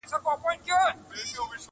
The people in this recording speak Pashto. دا سرګم د خوږې میني شیرین ساز دی.